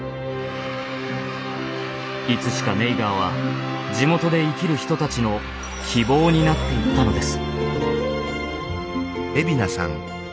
いつしかネイガーは地元で生きる人たちの希望になっていったのです。